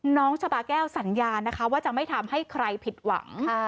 น้องชาบาแก้วสัญญานะคะว่าจะไม่ทำให้ใครผิดหวัง